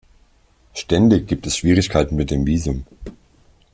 Ständig gibt es Schwierigkeiten mit dem Visum.